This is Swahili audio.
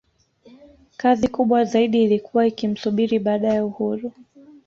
Kazi kubwa zaidi ilikuwa ikimsubiri baada ya uhuru